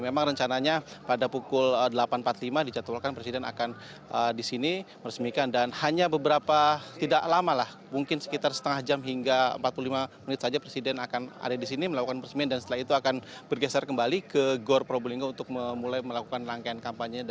memang rencananya pada pukul delapan empat puluh lima dicatulkan presiden akan di sini meresmikan dan hanya beberapa tidak lama lah mungkin sekitar setengah jam hingga empat puluh lima menit saja presiden akan ada di sini melakukan peresmian dan setelah itu akan bergeser kembali ke gor probolinggo untuk mulai melakukan rangkaian kampanye